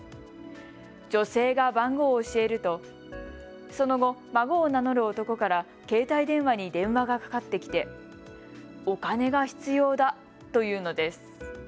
女性が番号を教えるとその後、孫を名乗る男から携帯電話に電話がかかってきてお金が必要だというのです。